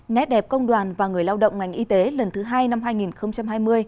nét đẹp công đoàn và người lao động ngành y tế lần thứ hai năm hai nghìn hai mươi